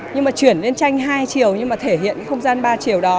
nhưng mà chuyển lên tranh hai chiều nhưng mà thể hiện không gian ba chiều đó